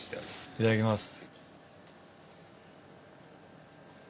いただきます。